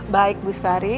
baik bu sari